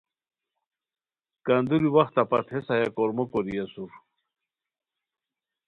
کندُوری وختہ پت ہیس ہیہ کورمو کوری اسور